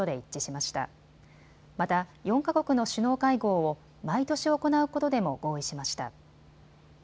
また、４か国の首脳会合を毎年行うことでも合意しました。